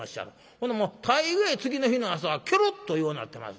ほなもう大概次の日の朝はケロッとようなってます。